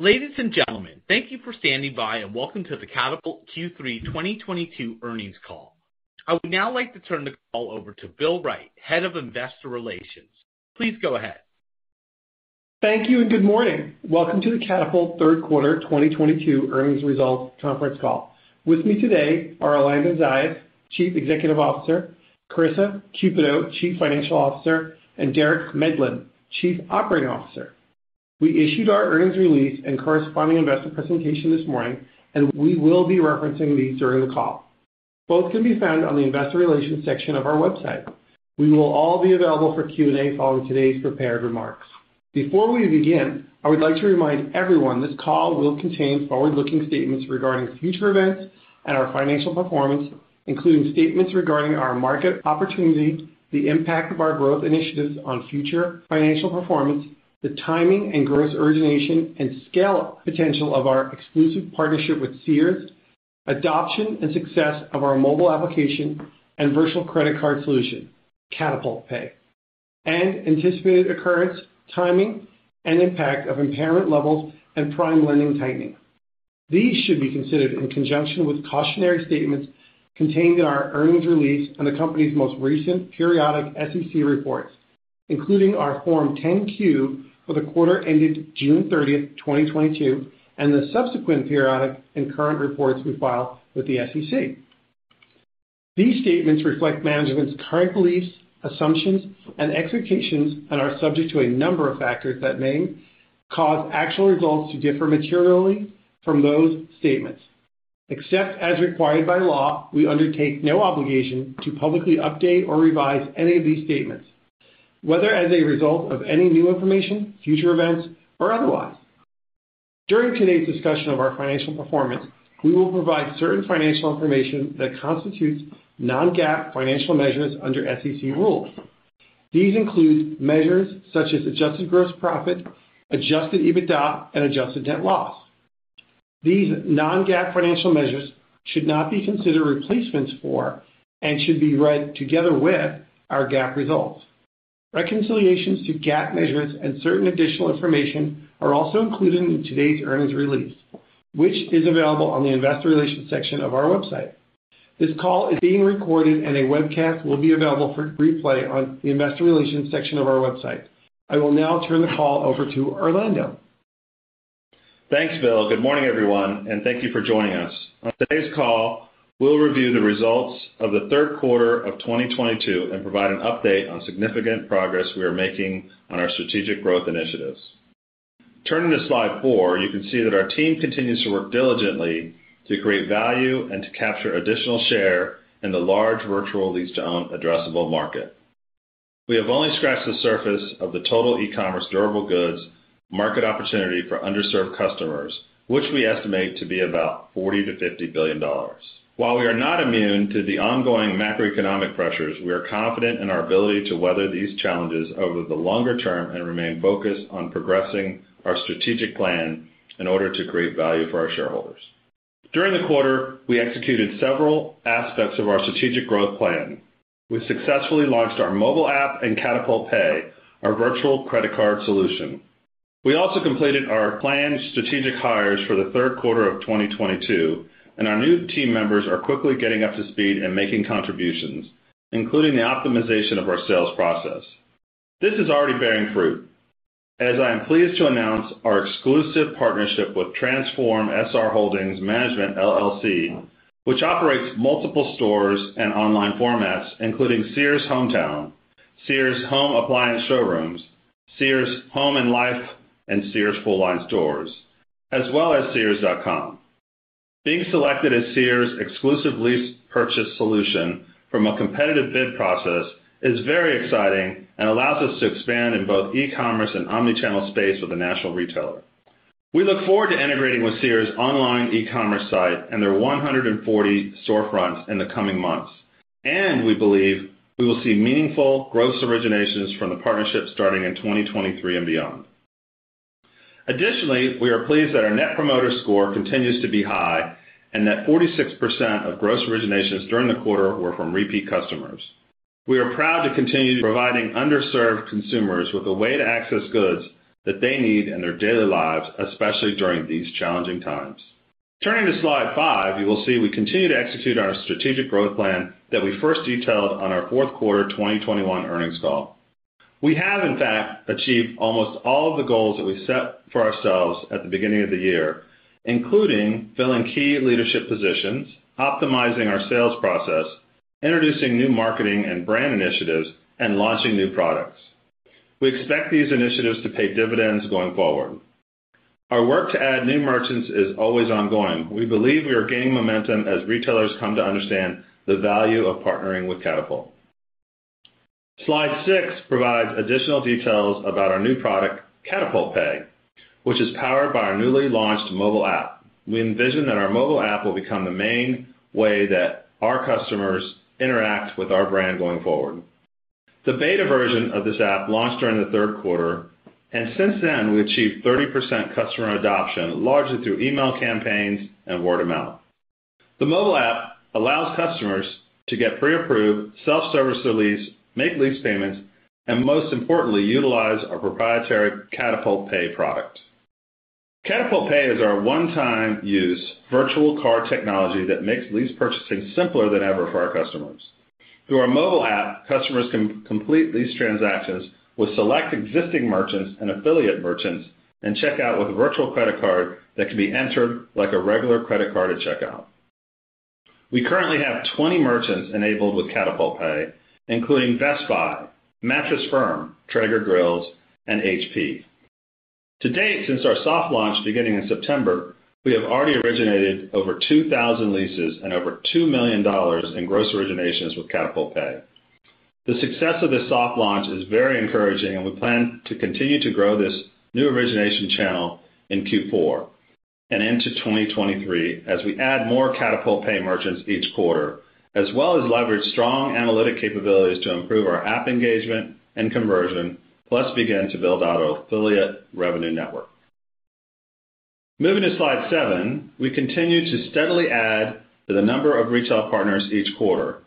Ladies and gentlemen, thank you for standing by, and welcome to the Katapult Q3 2022 earnings call. I would now like to turn the call over to Bill Wright, Head of Investor Relations. Please go ahead. Thank you, and good morning. Welcome to the Katapult third quarter 2022 earnings results conference call. With me today are Orlando Zayas, Chief Executive Officer, Karissa Cupito, Chief Financial Officer, and Derek Medlin, Chief Operating Officer. We issued our earnings release and corresponding investor presentation this morning, and we will be referencing these during the call. Both can be found on the investor relations section of our website. We will all be available for Q&A following today's prepared remarks. Before we begin, I would like to remind everyone this call will contain forward-looking statements regarding future events and our financial performance, including statements regarding our market opportunity, the impact of our growth initiatives on future financial performance, the timing and gross origination, and scale potential of our exclusive partnership with Sears, adoption and success of our Mobile Application and virtual credit card solution, Katapult Pay, and anticipated occurrence, timing, and impact of impairment levels and prime lending tightening. These should be considered in conjunction with cautionary statements contained in our earnings release and the company's most recent periodic SEC reports, including our Form 10-Q for the quarter ended June 30th, 2022, and the subsequent periodic and current reports we filed with the SEC. These statements reflect management's current beliefs, assumptions, and expectations and are subject to a number of factors that may cause actual results to differ materially from those statements. Except as required by law, we undertake no obligation to publicly update or revise any of these statements, whether as a result of any new information, future events, or otherwise. During today's discussion of our financial performance, we will provide certain financial information that constitutes non-GAAP financial measurements under SEC rules. These include measures such as adjusted gross profit, adjusted EBITDA, and adjusted net loss. These non-GAAP financial measures should not be considered replacements for and should be read together with our GAAP results. Reconciliations to GAAP measurements and certain additional information are also included in today's earnings release, which is available on the investor relations section of our website. This call is being recorded and a webcast will be available for replay on the investor relations section of our website. I will now turn the call over to Orlando. Thanks, Bill. Good morning, everyone, and thank you for joining us. On today's call, we'll review the results of the third quarter of 2022 and provide an update on significant progress we are making on our strategic growth initiatives. Turning to slide 4, you can see that our team continues to work diligently to create value and to capture additional share in the large virtual lease-to-own addressable market. We have only scratched the surface of the total e-commerce durable goods market opportunity for underserved customers, which we estimate to be about $40 billion-$50 billion. While we are not immune to the ongoing macroeconomic pressures, we are confident in our ability to weather these challenges over the longer term and remain focused on progressing our strategic plan in order to create value for our shareholders. During the quarter, we executed several aspects of our strategic growth plan. We successfully launched our Mobile App and Katapult Pay, our virtual credit card solution. We also completed our planned strategic hires for the third quarter of 2022, and our new team members are quickly getting up to speed and making contributions, including the optimization of our sales process. This is already bearing fruit as I am pleased to announce our exclusive partnership with Transform SR Holdings Management LLC, which operates multiple stores and online formats, including Sears Hometown, Sears Home Appliance Showrooms, Sears Home & Life, and Sears full-line stores, as well as sears.com. Being selected as Sears exclusive lease-to-own solution from a competitive bid process is very exciting and allows us to expand in both e-commerce and omnichannel space with a national retailer. We look forward to integrating with Sears online e-commerce site and their 140 storefronts in the coming months, and we believe we will see meaningful growth originations from the partnership starting in 2023 and beyond. Additionally, we are pleased that our net promoter score continues to be high and that 46% of gross originations during the quarter were from repeat customers. We are proud to continue providing underserved consumers with a way to access goods that they need in their daily lives, especially during these challenging times. Turning to slide 5, you will see we continue to execute our strategic growth plan that we first detailed on our fourth quarter 2021 earnings call. We have in fact achieved almost all of the goals that we set for ourselves at the beginning of the year, including filling key leadership positions, optimizing our sales process, introducing new marketing and brand initiatives, and launching new products. We expect these initiatives to pay dividends going forward. Our work to add new merchants is always ongoing. We believe we are gaining momentum as retailers come to understand the value of partnering with Katapult. Slide 6 provides additional details about our new product, Katapult Pay, which is powered by our newly launched Mobile App. We envision that our Mobile App will become the main way that our customers interact with our brand going forward. The beta version of this app launched during the third quarter, and since then, we achieved 30% customer adoption, largely through email campaigns and word of mouth. The Mobile App allows customers to get pre-approved, self-service their lease, make lease payments, and most importantly, utilize our proprietary Katapult Pay product. Katapult Pay is our one-time use virtual card technology that makes lease purchasing simpler than ever for our customers. Through our Mobile App, customers can complete these transactions with select existing merchants and affiliate merchants and check out with a virtual credit card that can be entered like a regular credit card at checkout. We currently have 20 merchants enabled with Katapult Pay, including Best Buy, Mattress Firm, Traeger Grills and HP. To date, since our soft launch beginning in September, we have already originated over 2,000 leases and over $2 million in gross originations with Katapult Pay. The success of this soft launch is very encouraging and we plan to continue to grow this new origination channel in Q4 and into 2023 as we add more Katapult Pay merchants each quarter, as well as leverage strong analytics capabilities to improve our app engagement and conversion, plus begin to build out our affiliate revenue network. Moving to slide 7. We continue to steadily add to the number of retail partners each quarter.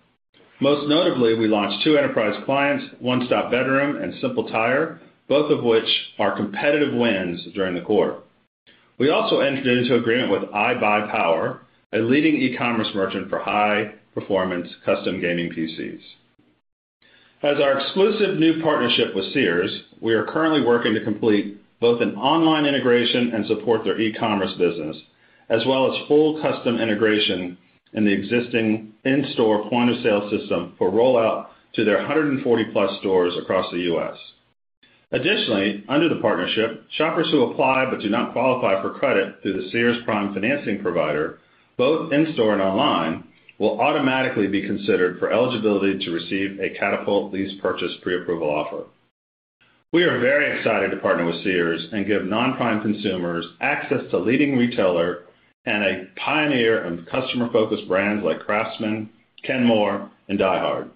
Most notably, we launched two enterprise clients, 1StopBedrooms and SimpleTire, both of which are competitive wins during the quarter. We also entered into agreement with iBUYPOWER, a leading e-commerce merchant for high performance custom gaming PCs. As our exclusive new partnership with Sears, we are currently working to complete both an online integration and support their e-commerce business, as well as full custom integration in the existing in-store point-of-sale system for rollout to their 140+ stores across the U.S. Additionally, under the partnership, shoppers who apply but do not qualify for credit through the Sears Prime financing provider, both in-store and online, will automatically be considered for eligibility to receive a Katapult lease-to-own pre-approval offer. We are very excited to partner with Sears and give non-prime consumers access to leading retailer and a pioneer of customer-focused brands like Craftsman, Kenmore and DieHard.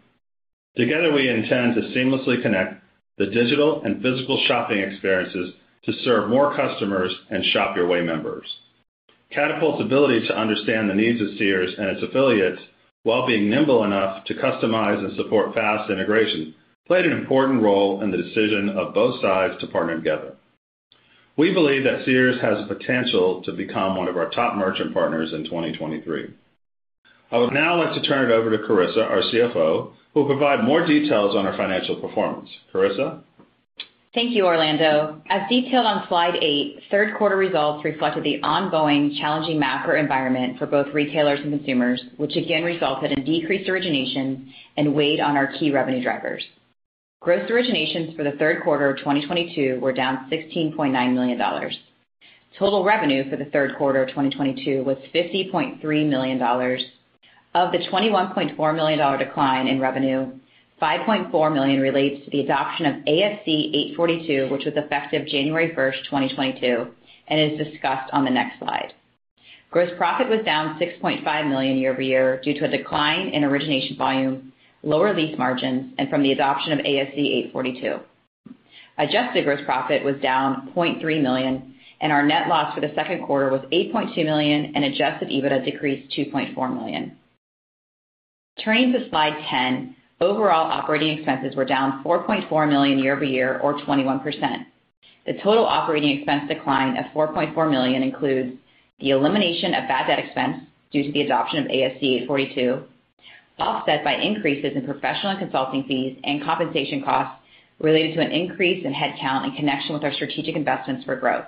Together, we intend to seamlessly connect the digital and physical shopping experiences to serve more customers and Shop Your Way members. Katapult's ability to understand the needs of Sears and its affiliates while being nimble enough to customize and support fast integration played an important role in the decision of both sides to partner together. We believe that Sears has the potential to become one of our top merchant partners in 2023. I would now like to turn it over to Karissa, our CFO, who will provide more details on our financial performance. Karissa. Thank you, Orlando. As detailed on slide 8, third quarter results reflected the ongoing challenging macro environment for both retailers and consumers, which again resulted in decreased origination and weighed on our key revenue drivers. Gross originations for the third quarter of 2022 were down $16.9 million. Total revenue for the third quarter of 2022 was $50.3 million. Of the $21.4 million decline in revenue, $5.4 million relates to the adoption of ASC 842, which was effective January 1st, 2022 and is discussed on the next slide. Gross profit was down $6.5 million year-over-year due to a decline in origination volume, lower lease margins, and from the adoption of ASC 842. Adjusted gross profit was down $0.3 million and our net loss for the second quarter was $8.2 million and adjusted EBITDA decreased $2.4 million. Turning to slide 10. Overall operating expenses were down $4.4 million year-over-year or 21%. The total operating expense decline of $4.4 million includes the elimination of bad debt expense due to the adoption of ASC 842, offset by increases in professional and consulting fees and compensation costs related to an increase in headcount in connection with our strategic investments for growth.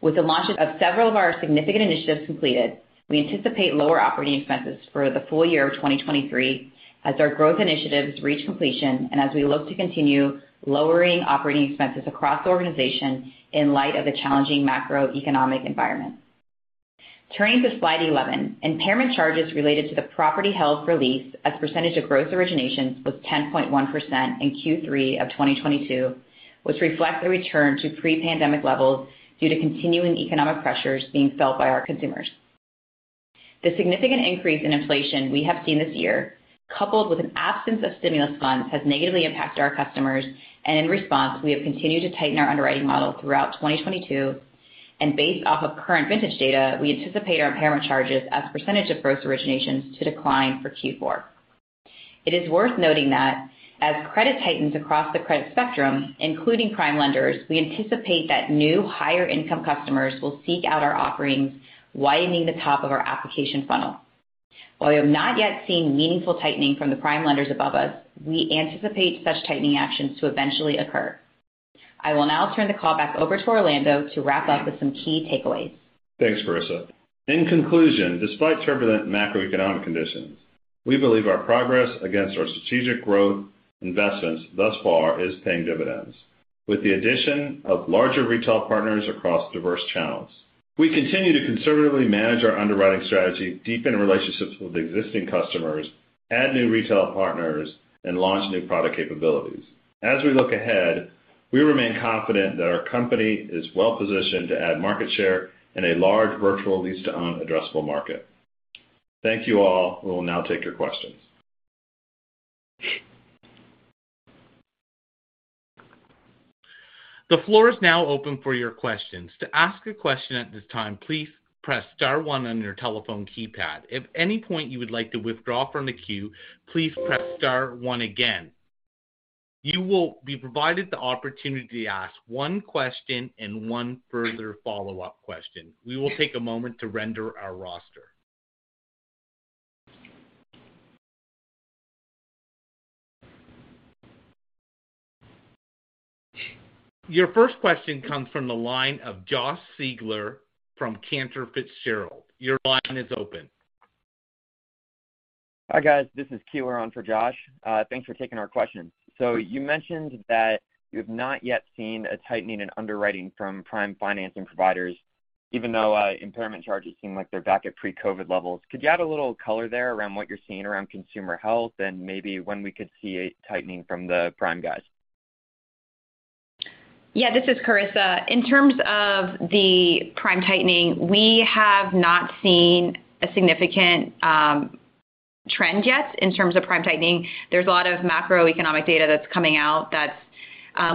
With the launch of several of our significant initiatives completed, we anticipate lower operating expenses for the full year of 2023 as our growth initiatives reach completion and as we look to continue lowering operating expenses across the organization in light of the challenging macroeconomic environment. Turning to slide 11. Impairment charges related to the property held for lease as a percentage of gross originations was 10.1% in Q3 of 2022, which reflect the return to pre-pandemic levels due to continuing economic pressures being felt by our consumers. The significant increase in inflation we have seen this year, coupled with an absence of stimulus funds, has negatively impacted our customers, and in response, we have continued to tighten our underwriting model throughout 2022. Based off of current vintage data, we anticipate our impairment charges as a percentage of gross originations to decline for Q4. It is worth noting that as credit tightens across the credit spectrum, including prime lenders, we anticipate that new higher income customers will seek out our offerings, widening the top of our application funnel. While we have not yet seen meaningful tightening from the prime lenders above us, we anticipate such tightening actions to eventually occur. I will now turn the call back over to Orlando to wrap up with some key takeaways. Thanks, Karissa. In conclusion, despite turbulent macroeconomic conditions, we believe our progress against our strategic growth investments thus far is paying dividends. With the addition of larger retail partners across diverse channels, we continue to conservatively manage our underwriting strategy, deepen relationships with existing customers, add new retail partners, and launch new product capabilities. As we look ahead, we remain confident that our company is well-positioned to add market share in a large virtual lease-to-own addressable market. Thank you all. We will now take your questions. The floor is now open for your questions. To ask a question at this time, please press star one on your telephone keypad. If at any point you would like to withdraw from the queue, please press star one again. You will be provided the opportunity to ask one question and one further follow-up question. We will take a moment to compile our roster. Your first question comes from the line of Josh Siegler from Cantor Fitzgerald. Your line is open. Hi, guys. This is Keeler. We're on for Josh. Thanks for taking our questions. You mentioned that you have not yet seen a tightening in underwriting from prime financing providers, even though impairment charges seem like they're back at pre-COVID levels. Could you add a little color there around what you're seeing around consumer health and maybe when we could see a tightening from the prime guys? Yeah, this is Karissa. In terms of the prime tightening, we have not seen a significant trend yet in terms of prime tightening. There's a lot of macroeconomic data that's coming out that's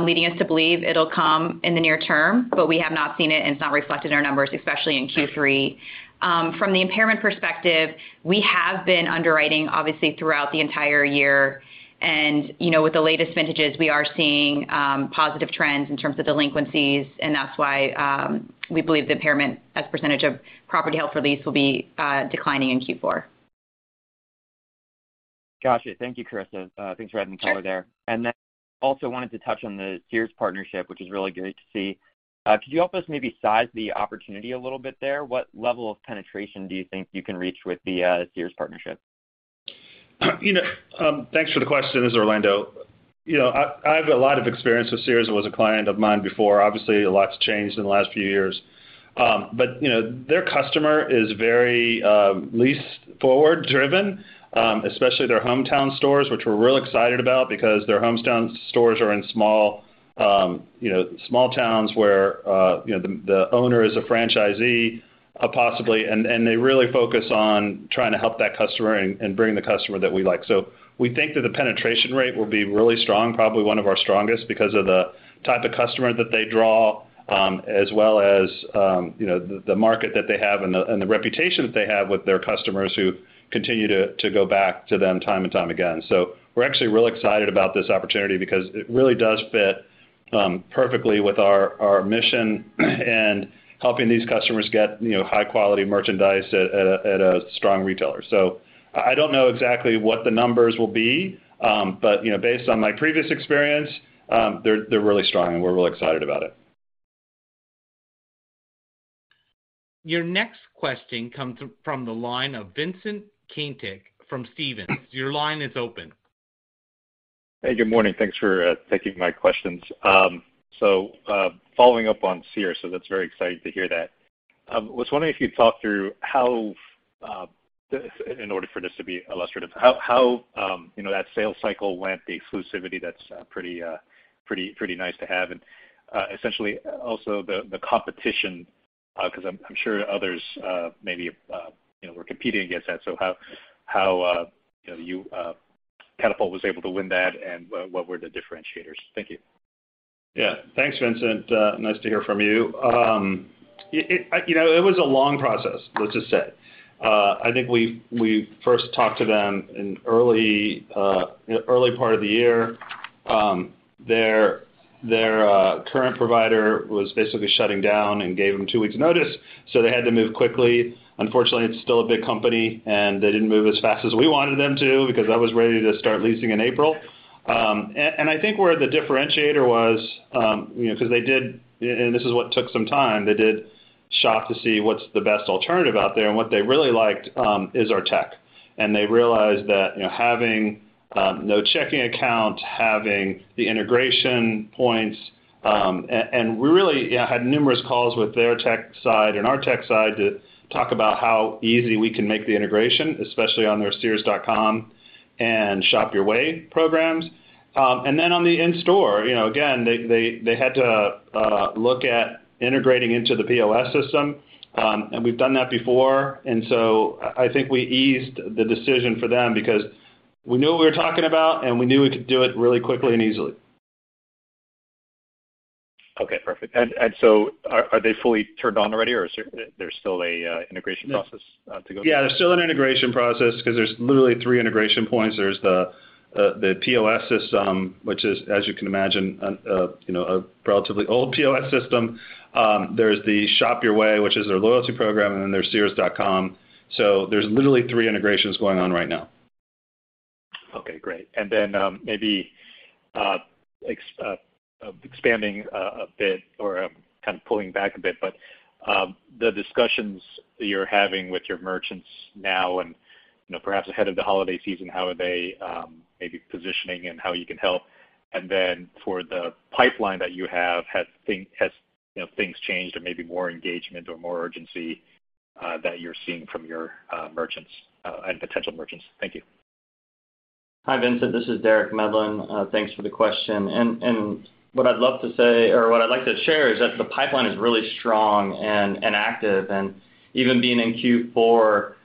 leading us to believe it'll come in the near term, but we have not seen it, and it's not reflected in our numbers, especially in Q3. From the impairment perspective, we have been underwriting, obviously, throughout the entire year. You know, with the latest vintages, we are seeing positive trends in terms of delinquencies, and that's why we believe the impairment as a percentage of property held for lease will be declining in Q4. Gotcha. Thank you, Karissa. Thanks for adding color there. Sure. And then also wanted to touch on the Sears partnership, which is really great to see. Could you help us maybe size the opportunity a little bit there? What level of penetration do you think you can reach with the Sears partnership? You know, thanks for the question. This is Orlando. You know, I have a lot of experience with Sears. It was a client of mine before. Obviously, a lot's changed in the last few years. You know, their customer is very lease forward-driven, especially their Sears Hometown stores, which we're real excited about because their Sears Hometown stores are in small, you know, small towns where, you know, the owner is a franchisee, possibly, and they really focus on trying to help that customer and bring the customer that we like. We think that the penetration rate will be really strong, probably one of our strongest because of the type of customer that they draw, as well as, you know, the market that they have and the reputation that they have with their customers who continue to go back to them time and time again. We're actually real excited about this opportunity because it really does fit perfectly with our mission and helping these customers get, you know, high quality merchandise at a strong retailer. I don't know exactly what the numbers will be, but, you know, based on my previous experience, they're really strong, and we're real excited about it. Your next question comes from the line of Vincent Caintic from Stephens. Your line is open. Hey, good morning. Thanks for taking my questions. Following up on Sears, so that's very exciting to hear that. Was wondering if you'd talk through how this in order for this to be illustrative, how you know that sales cycle went, the exclusivity that's pretty nice to have, and essentially also the competition, 'cause I'm sure others maybe you know were competing against that. How, you know, Katapult was able to win that and what were the differentiators? Thank you. Yeah. Thanks, Vincent. Nice to hear from you. You know, it was a long process, let's just say. I think we first talked to them in early part of the year. Their current provider was basically shutting down and gave them two weeks' notice, so they had to move quickly. Unfortunately, it's still a big company, and they didn't move as fast as we wanted them to because I was ready to start leasing in April. And I think where the differentiator was, you know, 'cause they did, and this is what took some time, they did shop to see what's the best alternative out there, and what they really liked is our tech. They realized that, you know, having no checking account, having the integration points, and we really, yeah, had numerous calls with their tech side and our tech side to talk about how easy we can make the integration, especially on their sears.com and Shop Your Way programs. Then on the in-store, you know, again, they had to look at integrating into the POS system, and we've done that before. I think we eased the decision for them because we knew what we were talking about, and we knew we could do it really quickly and easily. Okay, perfect. Are they fully turned on already, or there's still a integration process to go through? Yeah, there's still an integration process 'cause there's literally three integration points. There's the POS system, which is, as you can imagine, you know, a relatively old POS system. There's the Shop Your Way, which is their loyalty program, and then there's sears.com. There's literally three integrations going on right now. Okay, great. Maybe expanding a bit or kind of pulling back a bit, but the discussions you're having with your merchants now and, you know, perhaps ahead of the holiday season, how are they maybe positioning and how you can help? For the pipeline that you have, has things changed or maybe more engagement or more urgency that you're seeing from your merchants and potential merchants? Thank you. Hi, Vincent. This is Derek Medlin. Thanks for the question. What I'd love to say or what I'd like to share is that the pipeline is really strong and active. Even being in Q4-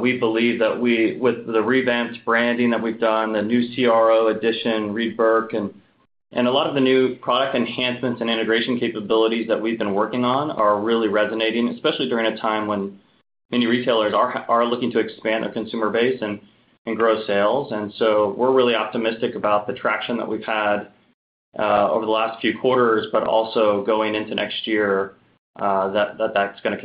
We believe that we, with the revamped branding that we've done, the new CRO addition, Reid Burke, and a lot of the new product enhancements and integration capabilities that we've been working on are really resonating, especially during a time when many retailers are looking to expand their consumer base and grow sales. We're really optimistic about the traction that we've had over the last few quarters, but also going into next year, that that's gonna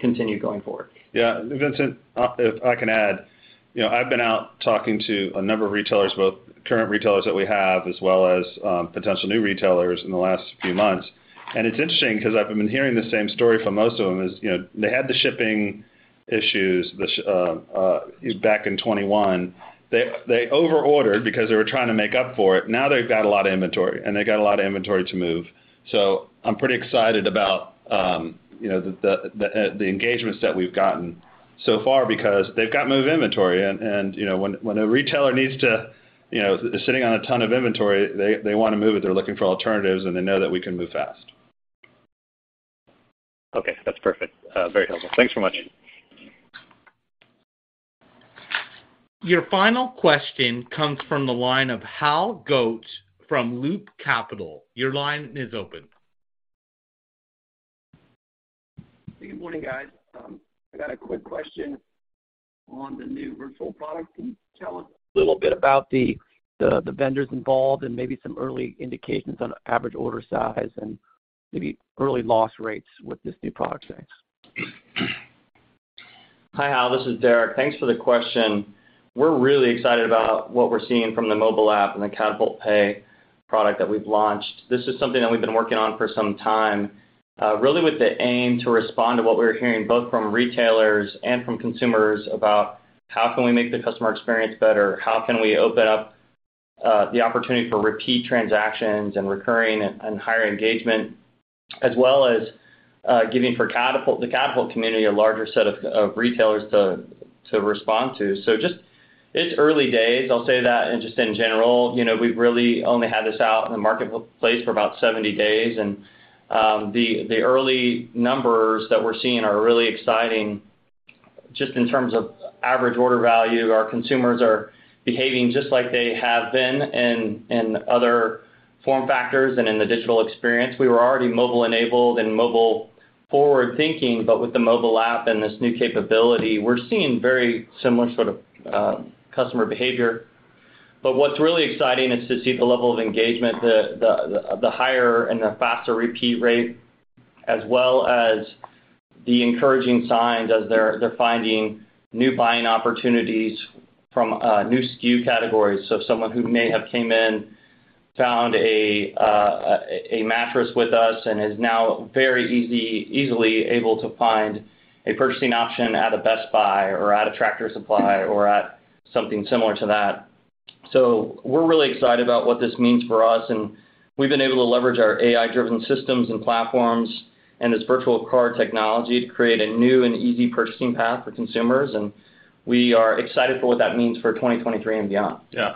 continue going forward. Yeah. Vincent, if I can add, you know, I've been out talking to a number of retailers, both current retailers that we have as well as potential new retailers in the last few months, and it's interesting 'cause I've been hearing the same story from most of them is, you know, they had the shipping issues back in 2021. They over-ordered because they were trying to make up for it. Now they've got a lot of inventory, and they've got a lot of inventory to move. I'm pretty excited about the engagements that we've gotten so far because they've got to move inventory and, you know, when a retailer needs to, you know, is sitting on a ton of inventory, they wanna move it. They're looking for alternatives, and they know that we can move fast. Okay, that's perfect. Very helpful. Thanks so much. Your final question comes from the line of Hal Goetsch from Loop Capital. Your line is open. Good morning, guys. I got a quick question on the new virtual product. Can you tell us a little bit about the vendors involved and maybe some early indications on average order size and maybe early loss rates with this new product set? Hi, Hal. This is Derek. Thanks for the question. We're really excited about what we're seeing from the Mobile App and the Katapult Pay product that we've launched. This is something that we've been working on for some time, really with the aim to respond to what we were hearing both from retailers and from consumers about how can we make the customer experience better, how can we open up the opportunity for repeat transactions and recurring and higher engagement, as well as giving for Katapult, the Katapult community a larger set of retailers to respond to. Just, it's early days, I'll say that. Just in general, you know, we've really only had this out in the marketplace for about 70 days and the early numbers that we're seeing are really exciting just in terms of average order value. Our consumers are behaving just like they have been in other form factors and in the digital experience. We were already mobile-enabled and mobile forward-thinking, but with the Mobile App and this new capability, we're seeing very similar sort of customer behavior. What's really exciting is to see the level of engagement, the higher and the faster repeat rate, as well as the encouraging signs as they're finding new buying opportunities from new SKU categories. Someone who may have came in, found a mattress with us and is now easily able to find a purchasing option at a Best Buy or at a Tractor Supply or at something similar to that. We're really excited about what this means for us, and we've been able to leverage our AI-driven systems and platforms and this virtual card technology to create a new and easy purchasing path for consumers, and we are excited for what that means for 2023 and beyond. Yeah.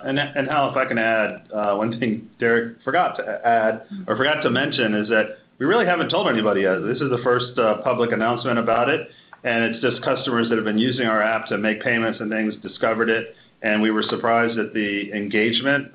Hal, if I can add one thing Derek forgot to add or forgot to mention is that we really haven't told anybody yet. This is the first public announcement about it, and it's just customers that have been using our app to make payments and things discovered it, and we were surprised at the engagement.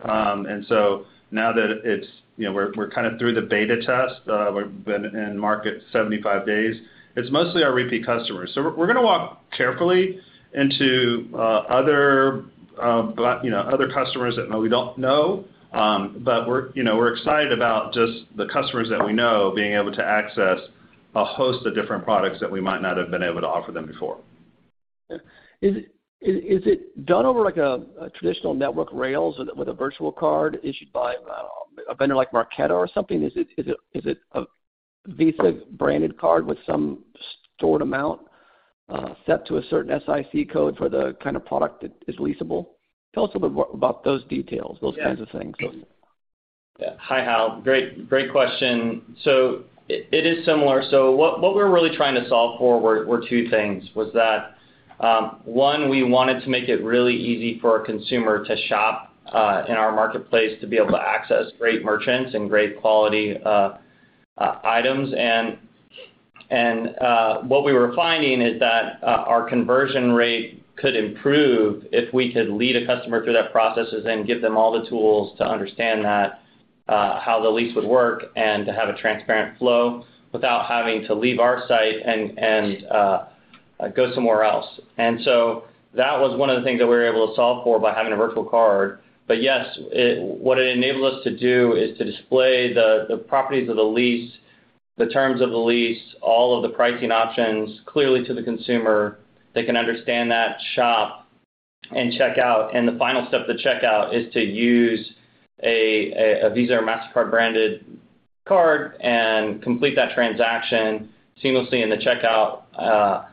Now that it's, you know, we're kind of through the beta test, we've been in market 75 days, it's mostly our repeat customers. We're gonna walk carefully into other you know, other customers that we don't know, but we're, you know, we're excited about just the customers that we know being able to access a host of different products that we might not have been able to offer them before. Is it done over like a traditional network rails with a virtual card issued by a vendor like Marqeta or something? Is it a Visa-branded card with some stored amount set to a certain SIC code for the kind of product that is leasable? Tell us a bit more about those details, those kinds of things. Yeah. Hi, Hal. Great question. It is similar. What we're really trying to solve for were two things. One, we wanted to make it really easy for a consumer to shop in our marketplace to be able to access great merchants and great quality items. What we were finding is that our conversion rate could improve if we could lead a customer through that process and then give them all the tools to understand how the lease would work and to have a transparent flow without having to leave our site and go somewhere else. That was one of the things that we were able to solve for by having a virtual card. Yes, what it enabled us to do is to display the properties of the lease, the terms of the lease, all of the pricing options clearly to the consumer. They can understand that shop and check out. The final step to check out is to use a Visa or Mastercard-branded card and complete that transaction seamlessly in the checkout,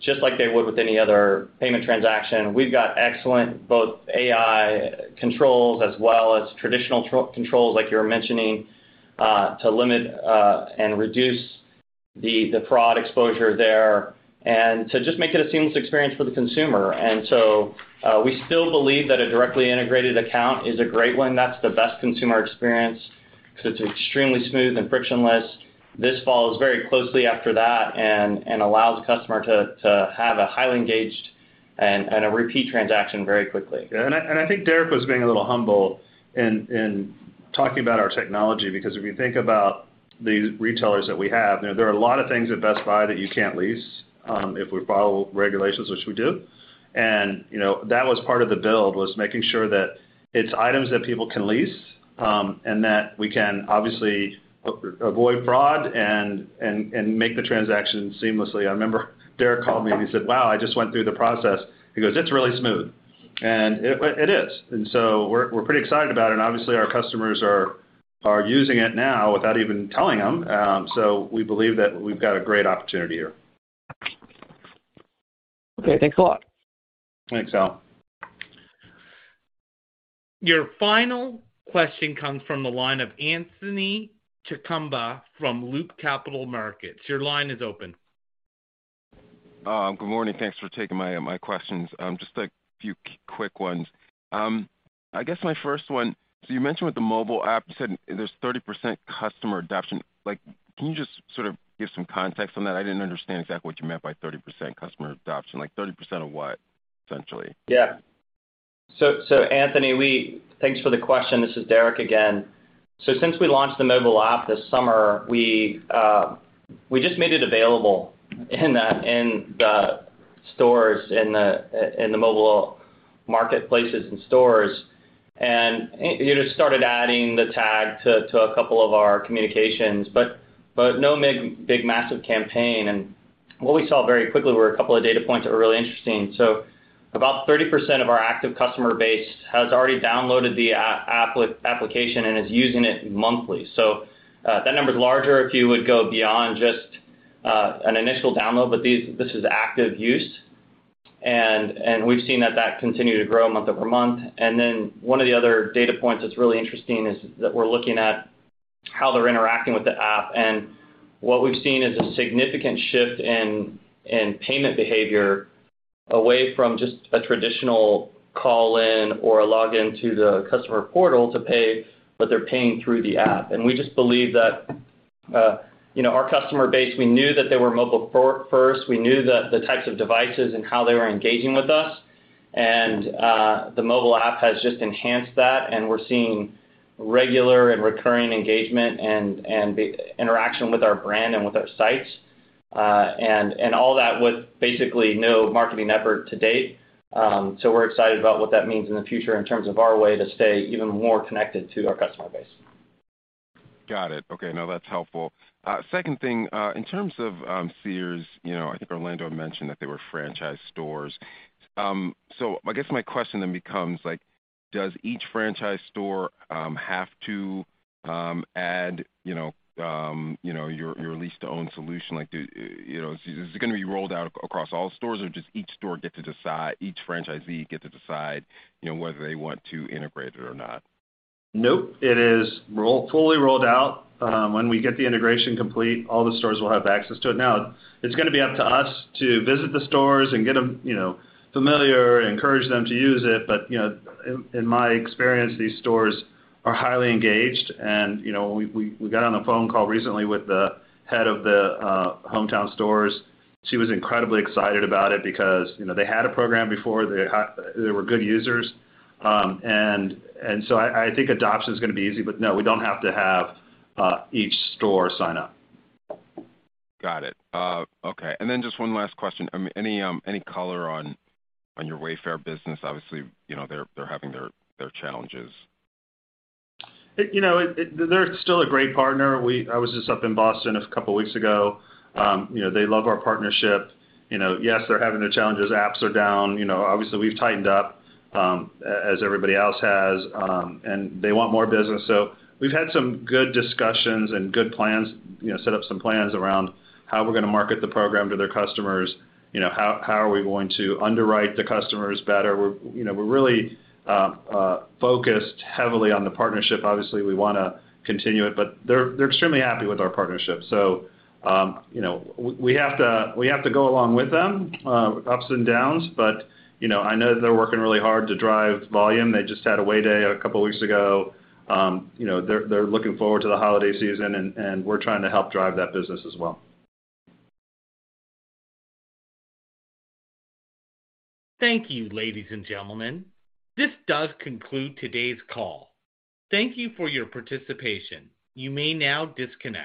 just like they would with any other payment transaction. We've got excellent both AI controls as well as traditional controls, like you were mentioning, to limit and reduce the fraud exposure there and to just make it a seamless experience for the consumer. We still believe that a directly integrated account is a great one. That's the best consumer experience because it's extremely smooth and frictionless. This follows very closely after that and allows the customer to have a highly engaged and a repeat transaction very quickly. Yeah, I think Derek was being a little humble in talking about our technology because if you think about the retailers that we have, you know, there are a lot of things at Best Buy that you can't lease, if we follow regulations, which we do. You know, that was part of the build, was making sure that it's items that people can lease, and that we can obviously avoid fraud and make the transaction seamlessly. I remember Derek called me and he said, "Wow, I just went through the process." He goes, "It's really smooth." It is. We're pretty excited about it, and obviously, our customers are using it now without even telling them. We believe that we've got a great opportunity here. Okay, thanks a lot. Thanks, Hal. Your final question comes from the line of Anthony Chukumba from Loop Capital Markets. Your line is open. Good morning. Thanks for taking my questions. Just a few quick ones. I guess my first one, you mentioned with the Mobile App, you said there's 30% customer adoption. Like, can you just sort of give some context on that? I didn't understand exactly what you meant by 30% customer adoption. Like, 30% of what, essentially? Yeah. So Anthony, thanks for the question. This is Derek again. Since we launched the Mobile App this summer, we just made it available in the stores, in the mobile marketplaces and stores. And, you know, just started adding the tag to a couple of our communications, but no big massive campaign. What we saw very quickly were a couple of data points that were really interesting. About 30% of our active customer base has already downloaded the application and is using it monthly. That number is larger if you would go beyond just an initial download, but this is active use. We've seen that continued to grow month-over-month. Then one of the other data points that's really interesting is that we're looking at how they're interacting with the app. What we've seen is a significant shift in payment behavior away from just a traditional call-in or a login to the customer portal to pay, but they're paying through the app. We just believe that, you know, our customer base, we knew that they were mobile-first. We knew the types of devices and how they were engaging with us. The Mobile App has just enhanced that, and we're seeing regular and recurring engagement and interaction with our brand and with our sites. And all that with basically no marketing effort to date. We're excited about what that means in the future in terms of our way to stay even more connected to our customer base. Got it. Okay. No, that's helpful. Second thing, in terms of Sears, you know, I think Orlando mentioned that they were franchise stores. I guess my question then becomes, like, does each franchise store have to add, you know, your lease-to-own solution? Like, do you know? Is this gonna be rolled out across all stores or does each franchisee get to decide, you know, whether they want to integrate it or not? Nope. It is fully rolled out. When we get the integration complete, all the stores will have access to it. Now, it's gonna be up to us to visit the stores and get them, you know, familiar, encourage them to use it. You know, in my experience, these stores are highly engaged and, you know, we got on a phone call recently with the head of the Sears Hometown stores. She was incredibly excited about it because, you know, they had a program before, they were good users. So I think adoption is gonna be easy, but no, we don't have to have each store sign up. Got it. Okay. Just one last question. Any color on your Wayfair business? Obviously, you know, they're having their challenges. You know, they're still a great partner. I was just up in Boston a couple weeks ago. You know, they love our partnership. You know, yes, they're having their challenges. Apps are down. You know, obviously, we've tightened up, as everybody else has, and they want more business. We've had some good discussions and good plans, you know, set up some plans around how we're gonna market the program to their customers. You know, how are we going to underwrite the customers better? You know, we're really focused heavily on the partnership. Obviously, we wanna continue it, but they're extremely happy with our partnership. You know, we have to go along with them, ups and downs. You know, I know they're working really hard to drive volume. They just had a Way Day a couple weeks ago. You know, they're looking forward to the holiday season and we're trying to help drive that business as well. Thank you, ladies and gentlemen. This does conclude today's call. Thank you for your participation. You may now disconnect.